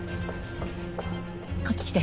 こっち来て。